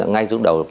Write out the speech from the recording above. ngay trước đầu